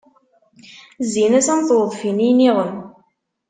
Zzin-as am tweḍfin i iniɣem.